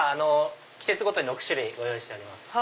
季節ごとに６種類ご用意しております。